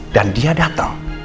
dan dia dateng